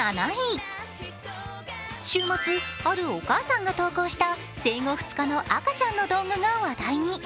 週末、あるお母さんが投稿した生後２日の赤ちゃんの動画が話題に。